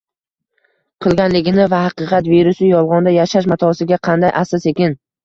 qilganligini va haqiqat virusi “yolg‘onda yashash” matosiga qanday asta-sekin